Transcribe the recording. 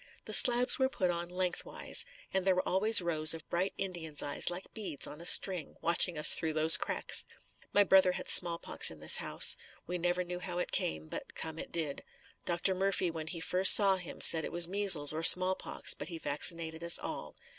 The slabs were put on lengthwise, and there were always rows of bright Indians' eyes like beads on a string watching us through these cracks. My brother had smallpox in this house. We never knew how it came, but come it did. Dr. Murphy when he first saw him said it was measles or smallpox, but he vaccinated us all.